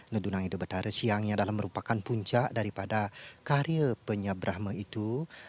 nedunang hidup betara siangnya adalah merupakan puncak daripada karya penyebrahma itu